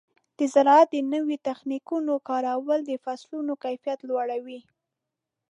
د زراعت د نوو تخنیکونو کارول د فصلونو کیفیت لوړوي.